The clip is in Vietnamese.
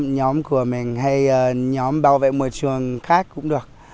nhóm của mình hay nhóm bảo vệ môi trường khác cũng được